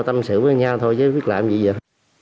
tâm sự với nhau thôi chứ biết làm gì